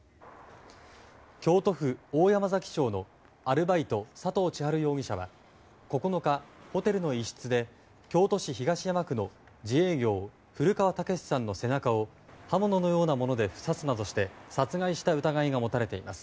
京都府大山崎町のアルバイト佐藤千晴容疑者は９日、ホテルの一室で京都市東山区の自営業古川剛さんの背中を刃物のようなもので刺すなどして殺害した疑いが持たれています。